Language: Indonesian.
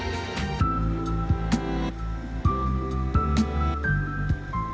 kepala kepala kepala kepala kepala